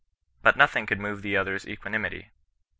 But nothing could move the other's equanimity.